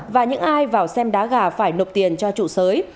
và những ai vào xem đá gà phải nộp tiền cho chủ sới